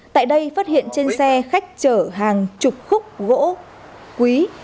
tại đây phát hiện trên xe khách chở hàng chục khúc gỗ quý